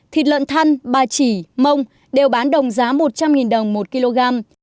thịt lợn thăn ba chỉ mông đều bán đồng giá một trăm linh đồng một kg